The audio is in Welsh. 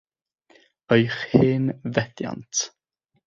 Eich hen fethiant.